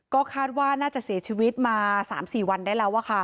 ก็คาดว่าน่าจะเสียชีวิตมา๓๔วันได้แล้ว